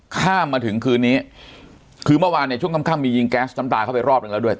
ข้ามมาถึงคืนนี้คือเมื่อวานเนี่ยช่วงค่ำมียิงแก๊สน้ำตาเข้าไปรอบหนึ่งแล้วด้วย